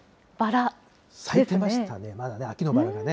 咲いてましたね、まだね、秋のバラがね。